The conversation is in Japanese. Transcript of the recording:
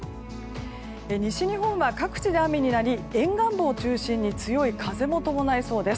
西日本は各地で雨になり沿岸部を中心に強い風も伴いそうです。